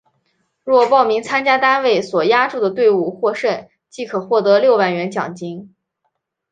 若报名参加单位所押注的队伍获胜即可获得六万元奖金。